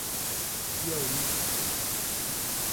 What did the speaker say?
Piauí